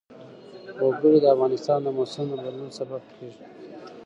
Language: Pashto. وګړي د افغانستان د موسم د بدلون سبب کېږي.